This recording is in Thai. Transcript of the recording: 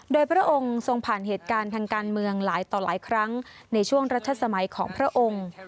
โดยพระองค์ทรงผ่านเหตุการณ์ทางการเมืองหลายต่อหลายครั้งในช่วงรัฐสมัยของพระองค์